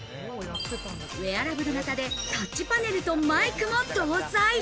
ウエアラブル型でタッチパネルとマイクも搭載。